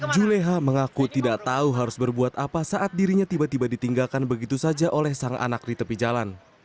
juleha mengaku tidak tahu harus berbuat apa saat dirinya tiba tiba ditinggalkan begitu saja oleh sang anak di tepi jalan